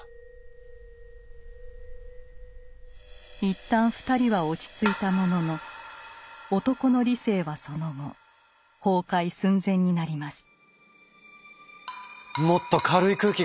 一旦２人は落ち着いたものの男の理性はその後崩壊寸前になります。